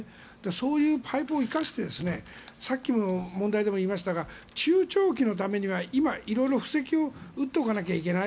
そういうパイプを生かしてさっきの問題でも言いましたが中長期のためには今、色々布石を打っておかなくてはいけない。